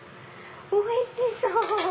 おいしそう！